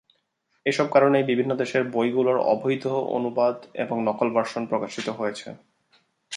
এইসব কারণেই বিভিন্ন দেশে বইগুলোর অবৈধ অনুবাদ এবং নকল ভার্সন প্রকাশিত হয়েছে।